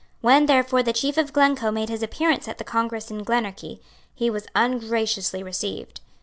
When, therefore, the Chief of Glencoe made his appearance at the congress in Glenorchy, he was ungraciously received.